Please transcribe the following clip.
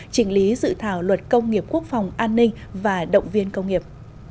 chỉnh lý dự thảo luật công nghiệp quốc phòng an ninh và động viên công nghiệp